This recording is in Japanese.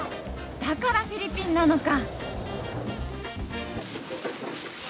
だからフィリピンなのか！